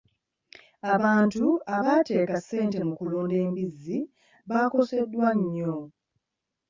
Abantu abaateeka ssente mu kulunda embizzi bakoseddwa nnyo.